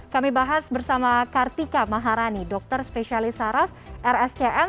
kami bahas bersama kartika maharani dokter spesialis saraf rscm